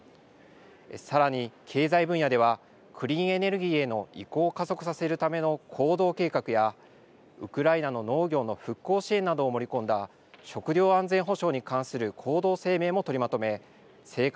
さらに経済分野ではクリーンエネルギーへの移行を加速させるための行動計画やウクライナの農業の復興支援などを盛り込んだ食料安全保障に関する行動声明も取りまとめ成果